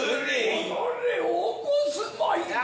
「おのれおこすまいか」